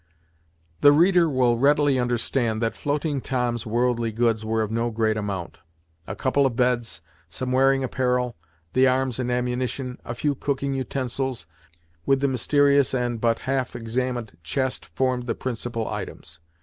The reader will readily understand that Floating Tom's worldly goods were of no great amount. A couple of beds, some wearing apparel, the arms and ammunition, a few cooking utensils, with the mysterious and but half examined chest formed the principal items.